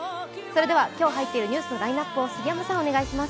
今日入っているニュースのラインナップを杉山さん、お願いします。